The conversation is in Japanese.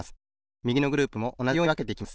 みぎのグループもおなじようにわけていきます。